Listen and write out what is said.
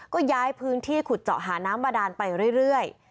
ก็ย้ายพื้นที่ขุดเจาะหาน้ำบาดานไปเรื่อย